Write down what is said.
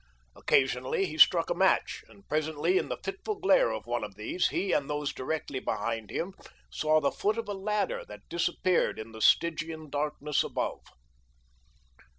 Occasionally he struck a match, and presently in the fitful glare of one of these he and those directly behind him saw the foot of a ladder that disappeared in the Stygian darkness above.